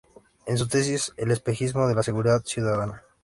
En su tesis "El espejismo de la seguridad ciudadana.